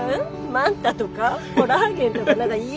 マンタとかコラーゲンとか何かいっぱい入ってた。